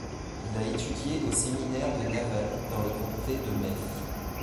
Il a étudié au séminaire de Navan dans le comté de Meath.